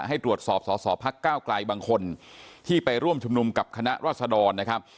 ให้ตรวจสอบสอสอพักก้าวไกลบางคนที่ไปร่วมชุมนุมกับคณะรัศดรนะครับ